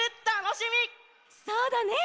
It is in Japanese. そうだね。